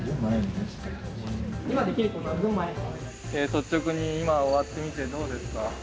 ・率直に今終わってみてどうですか？